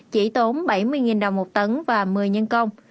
chỉ tốn bảy mươi đồng một tấn và một mươi nhân công